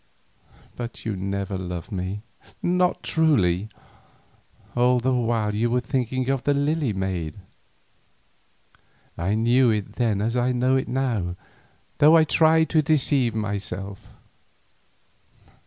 But you never loved me, not truly, all the while you were thinking of the Lily maid. I knew it then, as I know it now, though I tried to deceive myself.